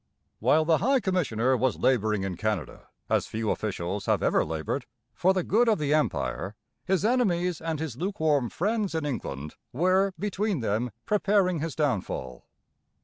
While the High Commissioner was labouring in Canada, as few officials have ever laboured, for the good of the Empire, his enemies and his lukewarm friends in England were between them preparing his downfall.